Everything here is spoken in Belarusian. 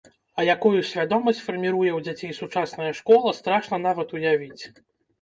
А якую свядомасць фарміруе ў дзяцей сучасная школа, страшна нават уявіць.